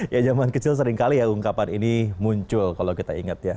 ya zaman kecil seringkali ya ungkapan ini muncul kalau kita ingat ya